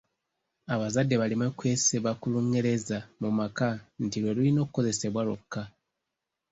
Abazadde baleme kwesiba ku Lungereza mu maka nti lwe lulina okukozesebwa lwokka.